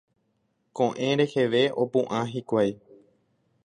Ko'ẽ reheve opu'ã hikuái.